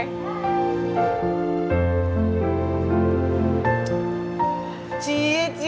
tungguin gue di kelas ya